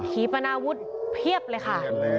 ีปนาวุฒิเพียบเลยค่ะ